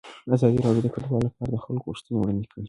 ازادي راډیو د کډوال لپاره د خلکو غوښتنې وړاندې کړي.